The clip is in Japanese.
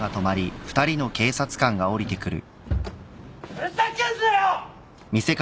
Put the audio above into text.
ふざけんなよ！